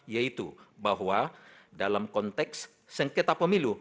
yaitu bahwa dalam konteks sengketa pemilu